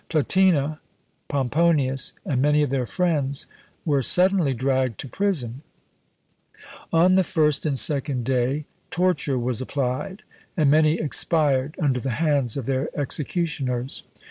Platina, Pomponius, and many of their friends, were suddenly dragged to prison; on the first and second day torture was applied, and many expired under the hands of their executioners.